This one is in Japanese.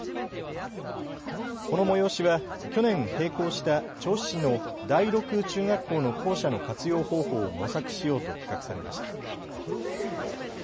この催しは去年閉校した銚子市の第六中学校の校舎の活用方法を模索しようと企画されました。